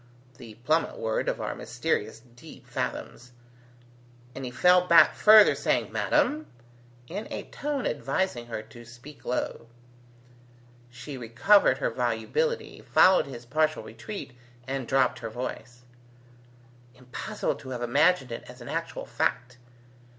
the plummet word of our mysterious deep fathoms; and he fell back further saying, "Madam?" in a tone advising her to speak low. She recovered her volubility, followed his partial retreat, and dropped her voice, "Impossible to have imagined it as an actual fact!